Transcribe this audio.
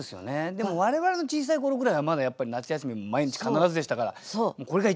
でも我々の小さい頃ぐらいはまだやっぱり夏休み毎日必ずでしたからこれが一番の思い出。